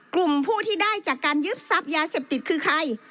กลุ่มผู้ที่ได้จากการยึดทรัพย์ยาเสพติดคือใคร